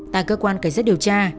tại cơ quan cảnh sát điều tra